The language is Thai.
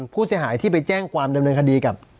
ผู้เสียหายที่ไปแจ้งความดำเนินคดีกับ